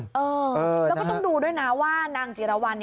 แล้วก็ต้องดูด้วยนะว่านางจิรวรรณ